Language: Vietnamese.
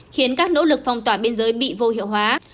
khiến các nỗ lực phong tỏa biên giới bị vô hiệu hóa